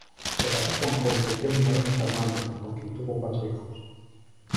Se casó con Concepción Moreno Fernández, con quien tuvo cuatro hijos.